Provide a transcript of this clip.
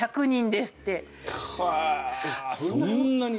そんなに？